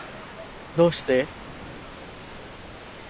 どうして？